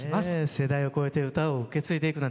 世代をこえて唄を受け継いでいくなんてね